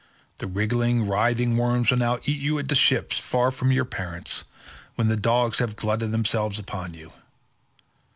The wriggling writhing worms will now eat you at the ships, far from your parents, when the dogs have glutted themselves upon you.